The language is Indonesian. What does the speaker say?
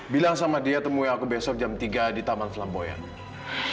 bilang sama dia temui aku besok jam tiga di taman selamboyan